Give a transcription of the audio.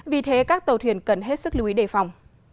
vì thế các tàu thuyền cần hết sức lưu ý đề phòng